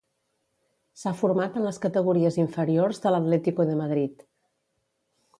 S'ha format en les categories inferiors de l'Atlético de Madrid.